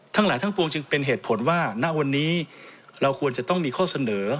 ทั้งหลายทั้งปวงจึงเป็นเหตุผลว่าณวันนี้เราควรจะต้องมีข้อเสนอ